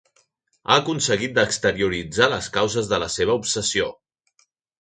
Ha aconseguit d'exterioritzar les causes de la seva obsessió.